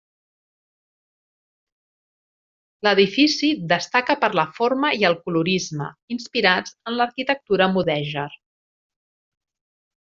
L’edifici destaca per la forma i el colorisme, inspirats en l’arquitectura mudèjar.